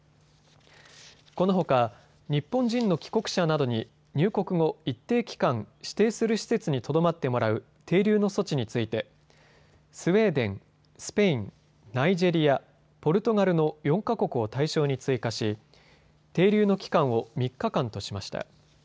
このほか、日本人の帰国者などに入国後、一定期間、指定する施設にとどまってもらう停留の措置についてスウェーデン、スペイン、ナイジェリア、ポルトガルの４か国を対象に追加し停留の期間を３日間としました。